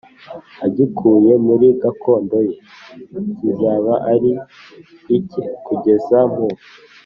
agikuye muri gakondo ye kizaba ari icye kugeza mu